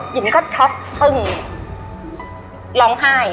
หยินก็ช็อปอึ่ง